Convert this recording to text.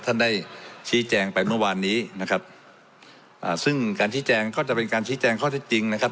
ท่านได้ชี้แจงไปเมื่อวานนี้นะครับอ่าซึ่งการชี้แจงก็จะเป็นการชี้แจงข้อเท็จจริงนะครับ